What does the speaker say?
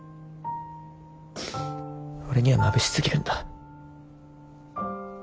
俺にはまぶしすぎるんだ。